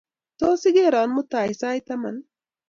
Tos ikeron mutai sait taman